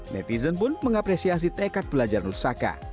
netizen pun mengapresiasi tekad pelajaran nur saka